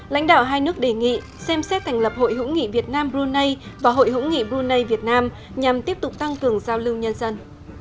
lãnh đạo hai nước đề nghị xem xét thành lập hội hữu nghị việt nam brunei và hội hữu nghị brunei việt nam nhằm tiếp tục tăng cường giao lưu nhân dân